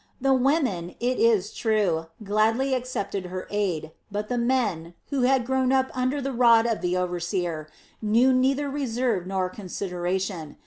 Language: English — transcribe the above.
The women, it is true, gladly accepted her aid, but the men, who had grown up under the rod of the overseer, knew neither reserve nor consideration.